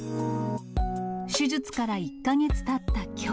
手術から１か月たったきょう。